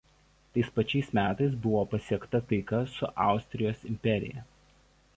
Tais pačiais metais buvo pasiekta taika su Austrijos imperija.